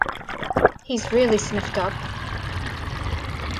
He’s really sniffed up.